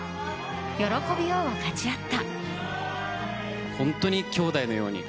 喜びを分かち合った。